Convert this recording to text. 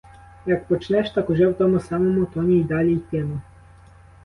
Як почнеш, так уже в тому самому тоні й далі йтиме.